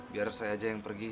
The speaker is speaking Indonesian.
biar saya aja yang pergi